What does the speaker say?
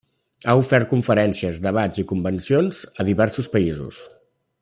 Ha ofert conferències, debats i convencions a diversos països.